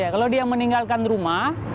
kalau dia meninggalkan rumah